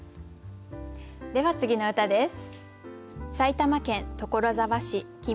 では次の歌です。